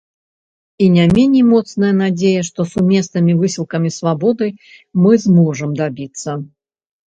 І не меней моцная надзея, што сумеснымі высілкамі свабоды мы зможам дабіцца.